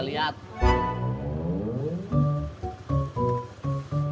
ini yang saya inginkan